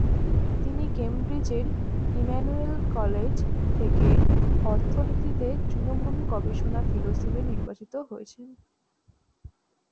তিনি কেমব্রিজের Emmanuel College, থেকে অর্থনীতিতে তৃণভূমি গবেষণা ফেলোশিপ নির্বাচিত হয়েছেন।